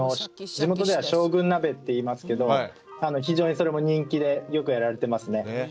地元では「将軍鍋」っていいますけど非常にそれも人気でよくやられてますね。